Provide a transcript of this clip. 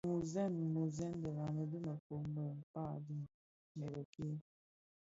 Mmusèn musèn dhilami di mefom me mkpag dhi më bëk-ke,